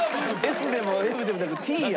ＳでもＭでもなくＴや。